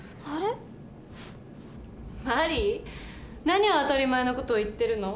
何を当たり前の事を言ってるの？